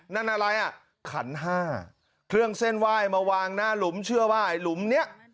นั่นอะไรอ่ะขันห้าเครื่องเส้นไหว้มาวางหน้าหลุมเชื่อว่าไอ้หลุมเนี้ย